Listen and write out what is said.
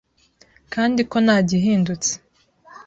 kandi ko nta gihindutse